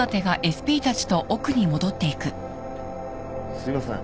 すいません。